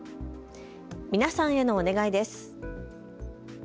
皆さんへのお願いです。